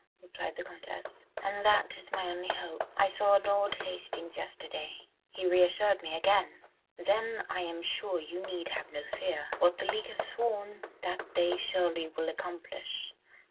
replied the Comtesse, "and that is my only hope. I saw Lord Hastings yesterday ... he reassured me again." "Then I am sure you need have no fear. What the league have sworn, that they surely will accomplish.